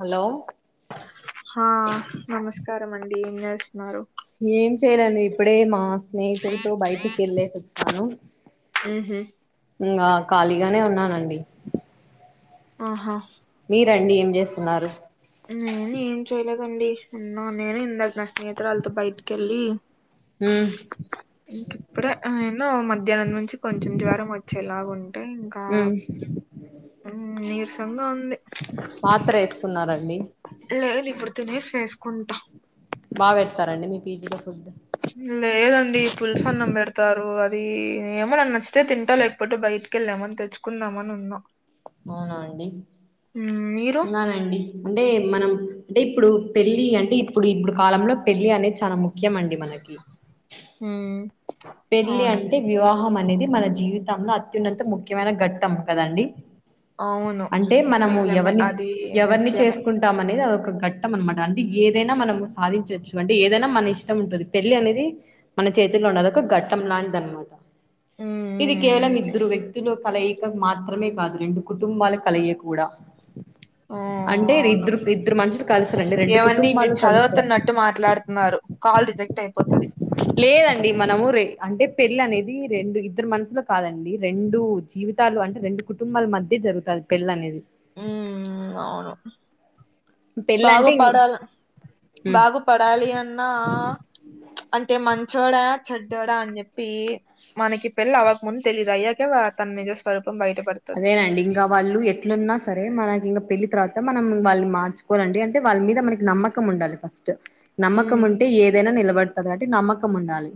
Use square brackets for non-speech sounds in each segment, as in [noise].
Hello హా నమస్కారం అండి ఏం చేస్తున్నారు ఏం చెయలే అండి ఇప్పుడే మా స్నేహితులతో బయటికి వెళ్ళేసి వచ్చాను ఆహ ఉమ్ ఆ ఖాళీగానే ఉన్నానండి ఆహా మీరండి ఏం చేస్తున్నారు నేను ఏం చేయలేదండి ఉన్నా నేను ఇందాకన స్నేహితురాలతో బయటికి వెళ్ళి ఉమ్ ఇకప్పుడు ఏన్న మధ్యాహ్నం నుంచి కొంచెం జ్వరం మ ఎలాగా ఉంటాయి ఇంకా ఉమ్ మ్, నీరసంగా ఉంది మూత్ర వేసుకున్నారండి లేదు ఇప్పుడు తినేసి వేసుకుంటా బాగా, పెడతారండి, మీ, పీజీలో, ఫుడ్, లేదండి, పులుసు, అన్నం, పెడతారు. అది, ఏమో, నాకు, నచ్చితే, తింటా. లేకపోతే, బయట, కెళ్ళామని, తెచ్చుకున్నామని, ఉన్నా, అవున, అండి, మ్, మీరు ఉన్ననండి. అంటే, మనం, అంటే ఇప్పుడు, పెళ్లిి, అంటే, ఇప్పుడు, ఇప్పుడు కాలంలో, పెళ్లిి, అనేది, చాలా, ముఖ్యం. ముఖ్యమ, అండి, మనకి, హ్మ్మ్ పెళ్ళి, అంటే, వివాహం అనేది, మన, జీవితంలో, అత్యున్నత, ముఖ్యమైన, ఘట్టం, కదండి. అవును అంటే, మనము, నిజమే ఎవరిని, అది ఎవరిని, ముఖ్యమే చేసుకుంటే, అనేది, అదొక, ఘట్టం, అనమాట, అంటే, ఏదైనా, మనం, సాధించవచ్చు. అంటే, ఏదైనా, మనఇష్టం, ఉంటంది. పెళ్లిఅనేది, మనచేతిలో, ఉన్నద, ఒక, ఘట్టం, లాంటిదినమాట, ఇది, ఉమ్ కేవలం, నిజం. ఇద్దరు, వ్యక్తులు, కలయిక, మాత్రమే, కాదు. రెండు, కుటుంబాల, కలయిక, కూడా, అంటే అవును, ఇద్దరు ఇద్దరు మనుషులు కలుస్తారండి రెండు ఏమండి. మీరు, కుటుంబాలు కలుస్తాయి చదువుతున్నట్టు, మాట్లాడుతున్నారు. కాల్, రిజెక్ట్, అయిపోతుది. లేదండి, మనము, అంటే, పెళ్ళి, అనేది, రెండుఇద్దరు మనసులో, కాదండి. రెండుజీవితం, ాలు [unintelligible] అంటే, రెండు, కుటుంబాల, మధ్య, జరుగుతారు, పెళ్లి అనేది, ఉ, అవును, పెళ్ళి బాగా, అంటే పడాల, ఉమ్ బాగు పడాలి. అన్నా, అంటే, మంచోడా, చెడ్డాడా, అనిచెప్పి, మనకి, ఈ, పెళ్ళిఆవక, ముంద, తెలిదు. అయ్యాక, తన నిజ స్వరూపం బయట పడుతది అదేనండి, ఇంకా, వాళ్ళు, ఎట్లున్నా, సరే, మనకి, ఇంకా, పెళ్లి, తర్వాత, మనంవాళ్ళని, మార్చుకోవాలండి. అంటే, వాళ్ళమీద, మనకి, నమ్మకం, నమ్మకం, ఉండాలి. ఫస్ట్, నమ్మకం, ఉమ్ ఉంటే, ఏదైనా, నిలబడుతుంది. కాబట్టి, నమ్మకం, ఉండాలి.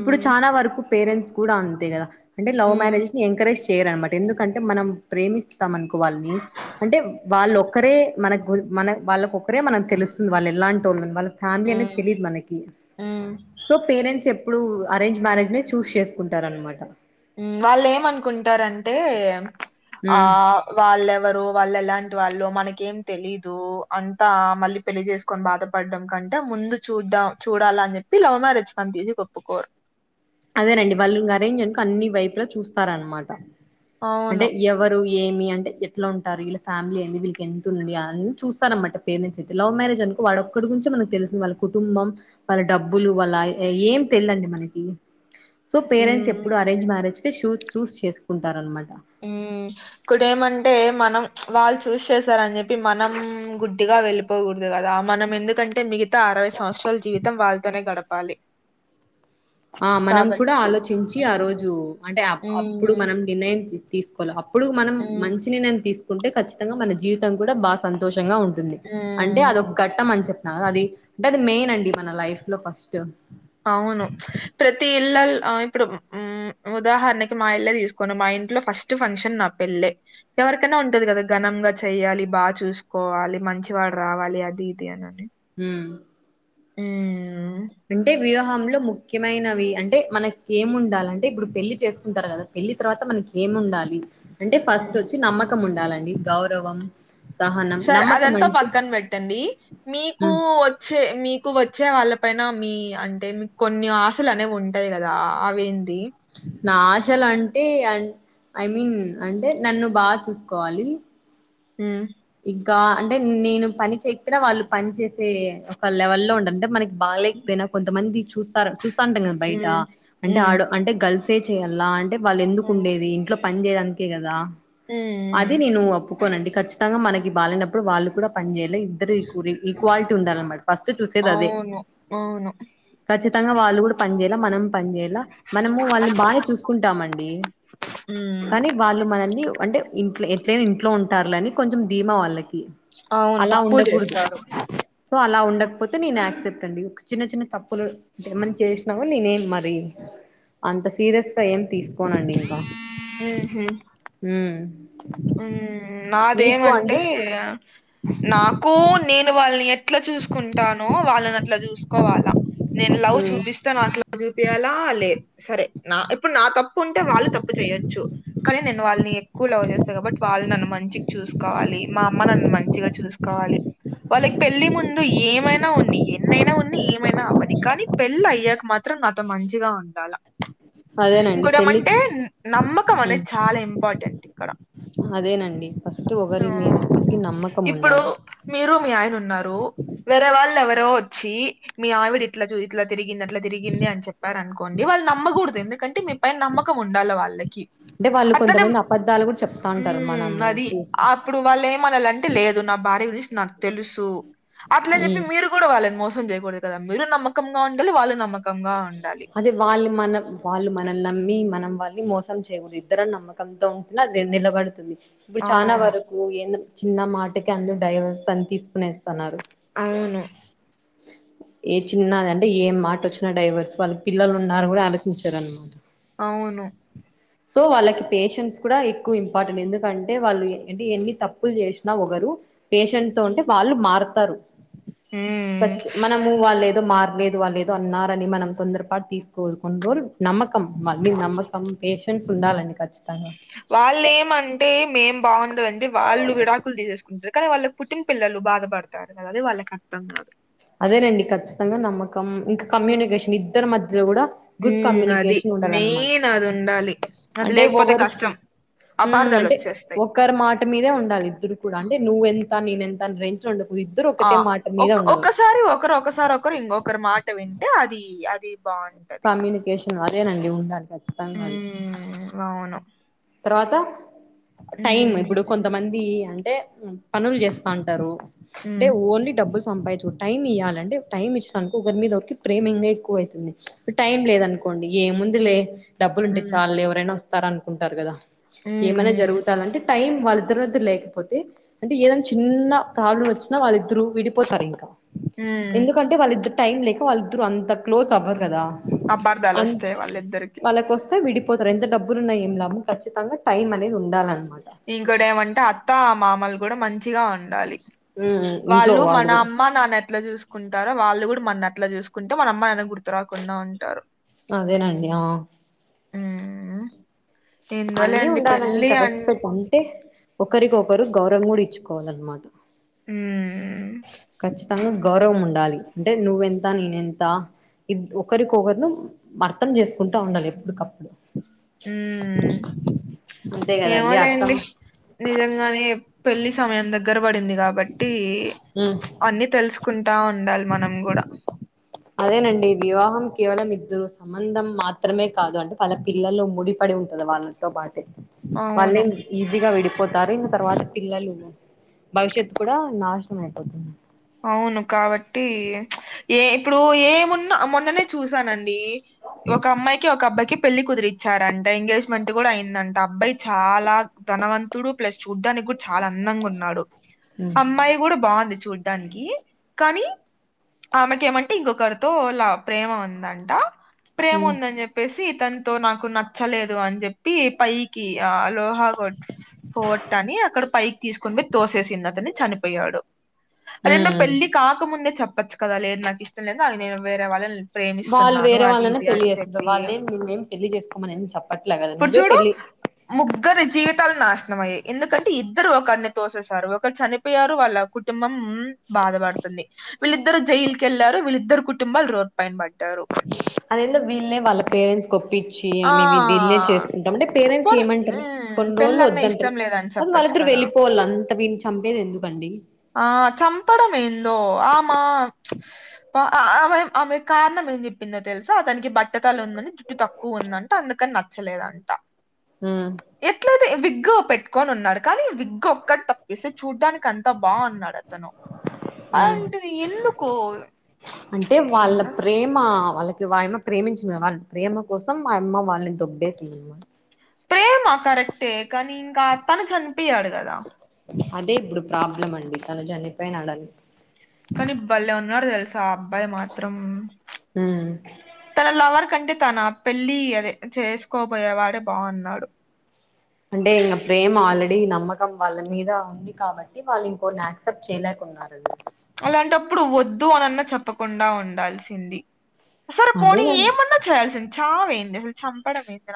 ఇప్పుడు, చాలావరకు, పేరెంట్స్, కూడా, అంతే, కదా, అంటే, లవ్ ఉమ్ మ్యారేజ్స్, ని, ఎంకరేజ్, చేయరునమాట, ఎందుకంటే, మనం, ప్రేమిస్తాం, అనుకో, వాళ్ళని, అంటే, వాళ్ళొక్కరే, మన, గు, మన, వాళ్ళకు, ప్పుే [unintelligible] మనకి, తెలుస్తుంది. వాళ్ళు, ఎలాంటోలో, వాళ్ళఫ్యామిలీ, అనేది, ఉమ్ తెలీయదు, మనకి, ఉమ్ సో, పేరెంట్స్, చెప్ ఇప్పుడు, అరేంజ్, మ్యారేజ్నే, చూస్, చేసుకుంటారనమాట. వాళ్ళు, ఏమనుకుంటారంటే, ఆ, వాళ్ళెవరో, వాళ్ళు, ఎలాంటివాళ్ళు, మనకేం, తెలీదు, అంతా, మళ్ళీ, పెళ్లిచేసుకొని, బాధపడడం, కంటే, ముందు, చూద్దం, చూడాలని, చెప్పి, లవ్ మ్యారేజ్, కాంతిసీగా ఒప్పుకోరు, అదేనండి. వాళ్ళు, గరేంజనుక, అన్ని, వైపు, లో చూస్తారనమాట, అవును. అంటే, ఎవరు, [unintelligible] ఏమి, అంటే, ఎట్లా, ఉంటారు. వీళ్ళ, ఫ్యామిలీ, ఏంది, వీళ్ళకి, ఎంతఉంది, అ, చూస్తారన్నమాట లవ్ మారేజ్, అనుకో, వాడొక్కడి, గురించి, మనకు, తెలుసింది. వాళ్ళ, కుటుబం. వాళ్ళ, డబ్బులు, వాళ్ళ, ఏం, తెల్దండి, మనకి, సో, పేరెంట్స్, హ్మ్. ఎప్పుడు, అరేంజ్, మ్యారేజ్కి, చూ చూస్, చేసుకుంటారనమాట, హ్మ్మ్ ఇప్పుడ, మీ, ఏమంటే, మనం, వాళ్ళు, చూస్, చేసారని, చెప్పి, మనం, గుడ్దిగా, వెళ్ళి, పోకూడదు, కదా, ఆ, మనం, ఎందుకంటే, మిగతా, అరవైసంవత్సరాల, జీవితం, వాళ్ళతోనే, గడపాలి. ఆ, మనం, కూడా, కాబట్టి ఆలోచించి, ఆ, హ్మ్. రోజు, అంటే, అప్పుడు, హ్మ్. మనం, నిర్ణయం, తీసుకోవాలి. అప్పుడు, మనం, హ్మ్. మంచి, నిర్ణయం, తీసుకో ఉంటే, ఖచ్చితంగా, మన, జీవితం, కూడా, బాగా, సంతోషంగా, ఉంటుంది. అంటే, హ్మ్. అదొక, ఘట్టం, అని, చెప్పినకదా, అది అంటే, అదిమెయిన్, అండి, మనలైఫ్, లో ఫస్ట్, అవును, ప్రతి, ఇల్లల్, ఇప్పుడు, ఉదాహరణకి మా ఇల్లే తీసుకొండి మా ఇంట్లో ఫస్ట్ ఫంక్షన్ నా పెళ్ళే ఎవరికైనా ఉంటది కదా ఘనంగా చెయ్యాలి బాగా చూసుకోవాలి మంచివాడు రావాలి అది ఇది అనని హమ్ హ్మ్. అంటే వివాహంలో ము ముఖ్యమైనవి అంటే మనకి ఏముండాలి అంటే ఇప్పుడు పెళ్ళి చేసుకుంటారు కదా పెళ్లి తర్వాత మనకి ఏమిండాలి అంటే ఫస్ట్ హ్మ్. వచ్చి నమ్మకం ఉండాలండి గౌరవం సహనం సరే నమ్మకం అదంతా పక్కన అంటే పెట్టండి మీకు వచ్చే మీకు వచ్చే వాళ్ళ పైన మీ అంటే మీకు కొన్ని ఆశలు అనేవి ఉంటాయి కదా అవేంది నా ఆశలు అంటే ఐ మీన్ అంటే నన్ను బాగా చూసుకోవాలి హమ్ ఇంకా అంటే నేను పని చేయకపోయినా వాళ్ళు పని చేసే ఒక లెవెల్ లో ఉండంటే మనకి బాగాలేకపోయినా కొంతమంది చూస్త చూస్తా ఉంటాం కదా బయట హ్మ్. అంటే హ్మ్. ఆడ అంటే గర్ల్స్ సే చేయాలా అంటే వాళ్ళు ఎందుకు హ్మ్. ఉండేది ఇంట్లో పని చేయడానికే కదా హ్మ్. అది హ్మ్. నేను ఒప్పుకోనండి ఖచ్చితంగా మనకి బాలేనప్పుడు వాళ్ళు కూడా పని చేయల ఇద్దరు కూరి ఈక్వాలిటీ ఉండాలన్నమాట ఫస్ట్ చూసేది అదే అవును. అవును. ఖచ్చితంగా వాళ్ళు కూడా పని చేయల మనం పని చేయల మనము వాళ్ళని బాగానే చూసుకుంటామండి హ్మ్. కానీ వాళ్ళు మనల్ని అంటే ఇంట్లో ఎట్లయిన ఇంట్లో ఉంటారులేని కొంచెం ధీమ వాళ్ళకి అవును అలా తక్కువ ఉండకూడదు చేస్తారు సో అలా ఉండకపోతే నేను యాక్సెప్ట్ అండి ఒక చిన్న చిన్న తప్పులు ఎమన్నా చేసినా కూడా నేనేం మరి అంత సీరియస్ గా ఏం తీసుకో కొనండి ఇంకా ఉహు ఉమ్మ్ ఉమ్ నాదేమంటే నాకు నేను వాళ్ళని ఎట్ల చూసుకుంటానో వాళ్ళు నన్ను అట్లా చూసుకోవాలా నేను లవ్ ఉమ్ చూపిస్తే చూపియాల అలే సరే నా ఇప్పుడు నా తప్పు ఉంటే వాళ్ళు తప్పు చేయొచ్చు కానీ నేను వాళ్ళని ఎక్కువ లవ్ చేస్త బట్ వాళ్ళు నన్ను మంచిగా చూసుకోవాలి మా అమ్మ నాన్నలనీ మంచిగా చూసుకోవాలి వాళ్ళకి పెళ్లి ముందు ఏమైనా ఉన్ని ఎన్నైనా ఉన్ని ఏమైనా అవ్వని కానీ పెళ్లి అయ్యాక మాత్రం నాతో మంచిగా ఉండాల అదేనండి ఇంకోటి పెళ్ళి ఏమంటే నమ్మకం ఉమ్ అనేది చాలా ఇంపార్టెంట్ ఇక్కడ అదేనండి ఫస్ట్ ఒకరి మీద ఆ ఒకరికి నమ్మకం ఇప్పుడు ఉండాలి మీరు మీ ఆయన ఉన్నారు వేరే వాళ్ళు ఎవరో వచ్చి మీ ఆవిడ ఇట్లా తిరిగింది అట్లా తిరిగింది అని చెప్పారు అనుకోండి వాళ్ళు నమ్మకూడదు ఎందుకంటే మీ పైన నమ్మకం ఉండాలి వాళ్ళకి అంటే వాళ్ళు కొంతమంది అబద్దలు కూడా చెప్ప ఉమ్మ్ అది అప్పుడు వాళ్ళు ఏమనాలంటే లేదు నా భార్య గురించి నాకు తెలుసు అట్లా అని చెప్పి ఉమ్ మీరు కూడా వాళ్ళని మోసం చేయ కూడదు కదా మీరు నమ్మకంగా ఉండాలి వాళ్లు నమ్మకంగా ఉండాలి అదే వాళ్ళు మనం వాళ్ళు మనల్ని నమ్మి మనం వాళ్ళని మోసం చేయకూడదు ఇద్దరు నమ్మకం కంతో ఉంటేనే అది నిలబడుతుంది ఇప్పుడు చాలా అవును వరకు ఏందో చిన్న మాటకి అందరు డైవర్స్ అని తీసుకొనేస్తున్నారు అవును ఏ చిన్నది అంటే ఏం మాట వచ్చినా డైవర్స్ వాళ్ళు పిల్లలు ఉన్నారు కూడా ఆలోచించారు అనమాట అవును సో వాళ్ళకి పేషెంట్స్ కూడా ఎక్కువ ఇంపార్టెంట్ ఎందుకంటే వాళ్ళు అంటే ఎన్ని తప్పులు చేసినా ఒకరు పేషెంట్ తో ఉంటే వాళ్ళు మారతరు మ్మ్ కచ్చి మనము వాళ్ళు ఏదో మారలేదు వాళ్ళు ఏదో అన్నారని మనం తొందర పాటు తీసుకోకుడడు కొన్ని రోజులు నమ్మకం మళ్ళీ నమ్మకం పేషెన్స్ ఉండాలండి ఖచ్చితంగా వాళ్ళ ఏమంటే మేం బాగుండాలండి వాళ్ళు విడాకులు తీసేసుకుంటారు కానీ వాళ్ళు పుట్టిన పిల్లలు బాధపడతారు కదా అది వాళ్ళకి అర్థం కాదు అదేనండి ఖచ్చితంగా నమ్మకం ఇంకా కమ్యూనికేషన్ ఇద్దరు మధ్యలో కూడా గుడ్ ఉమ్ అది కమ్యూనికేషన్ ఉండాలన్నమాట మెయిన్ అది ఉండాలి [inaudible] అది అంటే లేకపోతే ఒకరు కష్టం ఉం అపార్థాలు అంటే వచ్చేస్తాయి ఒకరి మాట మీదే ఉండాలి ఇద్దరు కూడా అంటే నువ్వెంత నేనెంత రే డు ఇద్దరు ఒకటే మాట మీద ఉండల్ల మరి ఒకరు ఒకసారి ఒకరు ఇంకొకరు మాట వింటే అది అది బా కమ్యూనికేషన్ అదేనండి ఉండాలి ఖచ్చితంగా అది ఉ అవును తర్వాత టైమ్ ఇప్పుడు ఉమ్ కొంతమంది అంటే పనులు చేస్తుంటారు టే ఉమ్ ఓన్లీ డబ్బుల్ సంపా టైం ఇయ్యాలంటే టైం ఇచ్చినందుకు ఒకరి మీద ఒకరికి ప్రేమ ఇంకా ఎక్కువ అవుతుంది టైం లేదనుకోండి ఏముందిలే డబ్బులు ఉంటే ఉమ్ చాలు ఎవరైనా వస్తారనుకుంటారు కదా ఉమ్ ఏమైనా ఉమ్ జరుగు ట్టంటే టైం వాళ్ళిద్దరి మధ్య లేకపోతే అంటే ఏదైనా చిన్న ప్రాబ్లం వచ్చినా వాళ్ళిద్దరు విడిపోతారు ఇంకా ఉమ్. ఎందుకంటే వాళ్ళిద్దరు టైం లేక వాళ్ళిద్దరు అంత క్లోజ్ అవ్వరు కదా అపార్థాలు అ వస్తాయి వాళ్ళిద్దరికి వాళ్ళకు వస్తే విడిపోతారు ఎంత డబ్బులు ఉన్నా ఏం లాభం ఖచ్చితంగా టైం అనేది ఉండాలన్నమాట ఇంకోడి ఏమంటే అత్త మామలు కూడా మంచిగా ఉండ ఉండాలి ఉమ్ ఇంట్లో వాళ్ళు మన కూడా అమ్మ నాన్న ఎట్లా చూసుకు కుంటారు వాళ్ళు కూడా మననట్లా చూసుకుంటే మన అమ్మా నాన్న గుర్తు రాకుండా ఉంటారు అదేనండి ఆ హ్మ్ అన్నీ ఏందోలేండి ఉండాలండి పెళ్ళి ఇంకా అన్ రెస్పెక్ట్ అంటే ఒకరికొకరు గౌరవం కూడా ఇచ్చుకోవాలన్నమాట ఊ తను గౌరవం ఉండాలి అంటే నువ్వెంత నేనెంత ఇవి ఒకరికొకరును అర్థం చేసుకుంటా ఉండాలి ఎప్పటికప్పుడు హ్మ్ [inaudible] అంతే కదండి అర్థం ఏమోలేండి నిజంగానే పెళ్ళి సమయం దగ్గర పడింది కాబట్టి ఉమ్ అన్నీ తెలుసు కుంటా ఉండాలి మనం కూడా అదేనండి వివాహం కేవలం ఇద్దరు సంబంధం మాత్రమే కాదు అంటే వాళ్ల పిల్లలు ముడిపడి ఉంటది వాళ్ళ తో పాటే మళ్ళీ అవును ఈజీగా విడిపోతారు ఇంకా తర్వాత పిల్లలు భవిష్యత్ కూడా నాశనం అయిపోతుంది అవును కాబట్టి ఇప్పుడు ఏమున్న మొన్ననే చూసానండి ఒక అమ్మాయికి ఒక అబ్బాయికి పెళ్లి కుదిరి ఇచ్చారంటే ఎంగేజ్మెంట్ కూడా అయిందంట అబ్బాయి చాలా ధనవం డు డు ప్లస్ చూడ్డానికి కూడా చాలా అందంగా ఉన్నాడు అమ్మాయి కూడా బాగుంది చూ దాన్కి కానీ ఆమెకేమంటే ఇంకొకరితోలా ప్రేమ ఉందంట ప్రేమ ఉమ్ ఉందని చెప్పేసి ఇతనితో నాకు నచ్చలేదు అని చెప్పి పైకి ఆ లోహ ఫోర్ట్ అని అక్కడ పైకి తీసుకొని పోయి తోసేసి అతను చనిపోయాడు అదేందో ఉమ్ పెళ్లి కాకముందే చెప్పచ్చు కదా లేదు నాకు ఇష్టం లేదు అది నేను వేరే వాళ్ళని వాళ్ళు ప్రేమిస్తున్నాను వేరే అది వాళ్ళనే ఇది అని పెళ్లి చేసుకుంటారు చెప్పి వాళ్ళేం నిన్నేం పెళ్లి చేసుకోమని చెప్పట్లే కదా నువ్వే పెళ్ళి ముగ్గురు జీవితాలు నాశనం మయ్యాయి ఎందుకంటే ఇద్దరు ఒకడిని తోససారు ఒకరు చనిపో పోయారు వాళ్ళ కుటుంబం బాధపడుతుంది వీళ్ళిద్దరు జైలుకెళ్లారు వీళ్ళిద్దరు కుటుంబాలు రోడ్ పైన పడ్డారు అదేందో వీళ్ ఏ వాళ్ పేరెంట్స్ కొప్పించి ఆ అమె ఇ దిల్ చేసుకుంటాం అంటే పేరెంట్స్ పోనీ ఏమంటారు ఉమ్ కొన్ని రోజులు పెళ్ళన్న వద్దంటరు ఇష్టం లేదని కానీ చెప్పచ్చు వాళ్ళిద్దరు కదా వెళ్ళిపోవాలి అంత విని చంపేది ఎందుకండి ఆ చపడం ఏందో ఆమా ఆమె ఆమె కారణం ఏం చెప్పిందో తెలుసా అతనికి బట్టతలు ఉందని జుట్టు తక్కు క్కువ ఉందంటే అందుకని నచ్చలేదంట ఊ ఎట్లయితే విగ్ పెట్టుకొని ఉన్నాడు కానీ విగ్ ఒక్కటి తప్పేసి చూడ్డానికి అంతా బాగున్నాడు అతన్ అలాంటి ఎందుకో ప్చ్ ఏందో మా వాళ్ళకి వాయమ ప్రేమించింది వాళ్ళ ప్రేమ కోసం ఆ యమ్మ వాళ్ళని దొబ్బేసియమ్మా ప్రేమ కరెక్టే కానీ ఇంకా తను చనిపోయాడు కదా అదే ఇప్పుడు ప్రాబ్లం అండి తను చనిపోయినడని కానీ బళ్లే ఉన్నాడు తెలుసా ఆ అబ్బాయి మాత్రం ఊమ్ తన లవర్ కంటే తన పెళ్లి అదే చేసుకోబోయే వాడే బాగున్నాడు అంటే ఇంక ప్రేమ ఆల్రెడీ నమ్మకం వాళ్ళ మీద ఉంది కాబట్టి వాళ్ళు ఇంకోని యాక్సెప్ట్ చేయలేకున్నారు అలాంటప్పుడు వద్దు అనన్నా చెప్పకుండా ఉండాల్సింది సరే పోనీ అదేనండి ఏమన్నా చేయాల్సింది చావేంది అసలు చంపడం మేంది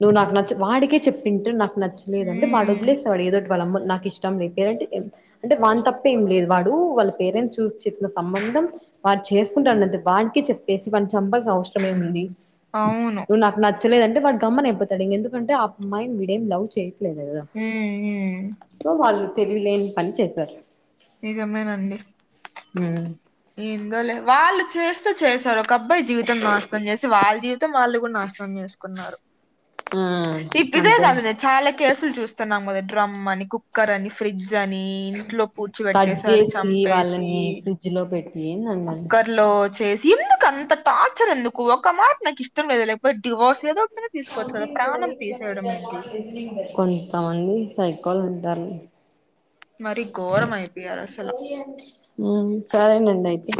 నువ్వు నాకు నచ్చ వాడికే చెప్పింటే నాకు నచ్చలేదంటే వాడు ఉమ్ వదిలేసేవాడు ఏదో వాళ్ళమోల్లు నాకు ఇష్టం లే పేరంటే అంటే వాన్ తప్ప ఇం ఏం లేదు వాడు వాళ్ళ పేరెంట్స్ చూసి చేసిన సంబంధం వారు చేసుకుంటారు అన్నది వానికి చెప్పేసి వాని చంపాల్సిన అవసరమేం ఉంది అవును నువ్వు నాకు నచ్చలేదు అంటే వాడు గమన అయిపోతాడు ఇంక ఎందుకంటే ఆ అమ్మాయిని వీడేం లవ్ చేయట్లేదు కదా ఊ ఊ ఉమ్ సో వాళ్ళు తెలివిలేని పని చేశారు నిజమేనండి ఉమ్ ఏందోలే వాళ్ళు చేస్తే చేశారు ఒక అబ్బాయి జీవితం నస్ నం చేసి వాళ్ళ జీవితం వాళ్ళు కూడా నాశనం చేసుకున్నారు ఆ ఇ ఇదే అంతే కాద నేను చాలా కేసులు చూస్తున్నాం కదా డ్రమ్ అని, కుక్కర్ అని, ఫ్రిడ్జ్ అని. ఇంట్లో కట్ కుర్చోబెట్టరు చేసి చంపేసి వాళ్ళని ఫ్రిడ్జ్ లో పెట్టి ఏందండి కుక్కర్ లో చేసి ఎందుకు అంత టార్చర్ ఎందుకు ఒక మాట నాకు ఇష్టం లేదు లేకపోతే డివోర్స్ ఏదో ఐన తీకొవచ్చు కదా ప్రాణం తీసేయడం ఏంది కొంతమంది సైకోల్ ఉంటారు మరి ఘోరం అయిపోయారు అసలు సరేనండి అయితే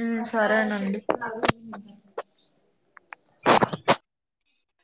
ఊ సరేనండి